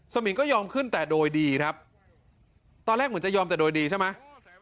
มิงก็ยอมขึ้นแต่โดยดีครับตอนแรกเหมือนจะยอมแต่โดยดีใช่ไหม